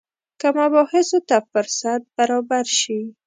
که مباحثو ته فرصت برابر شي.